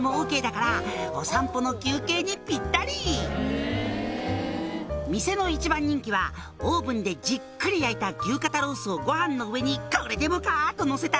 「お散歩の休憩にピッタリ」「店の一番人気はオーブンでじっくり焼いた牛肩ロースをご飯の上にこれでもか！とのせた